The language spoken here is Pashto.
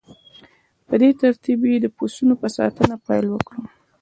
په دې ترتیب یې د پسونو په ساتنه پیل وکړ